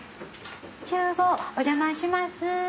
厨房お邪魔します。